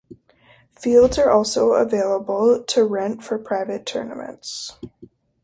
Fields are also available to rent for private tournaments.